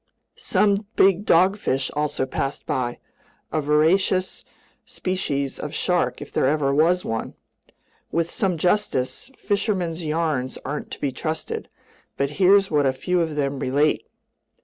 Some big dogfish also passed by, a voracious species of shark if there ever was one. With some justice, fishermen's yarns aren't to be trusted, but here's what a few of them relate.